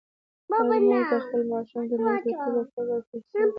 هرې مور ته خپل ماشوم د نړۍ تر ټولو خوږ او ښایسته وي.